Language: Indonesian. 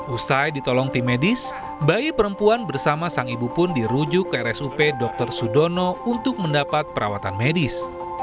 usai ditolong tim medis bayi perempuan bersama sang ibu pun dirujuk ke rsup dr sudono untuk mendapat perawatan medis